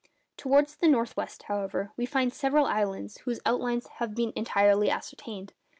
Towards the north west, however, we find several islands whose outlines have been entirely ascertained.